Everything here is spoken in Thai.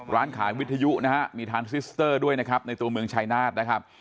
ร้านขายวิทยุนะฮะมีทานซิสเตอร์ด้วยนะครับในตัวเมืองชายนาฏนะครับ